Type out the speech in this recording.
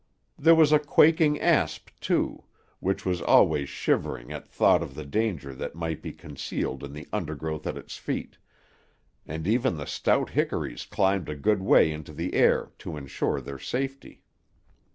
There was a quaking asp, too, which was always shivering at thought of the danger that might be concealed in the undergrowth at its feet, and even the stout hickories climbed a good way into the air to insure their safety.